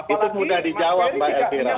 itu mudah dijawab mbak elvira